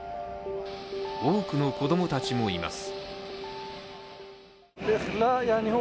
多くの子供たちもいます。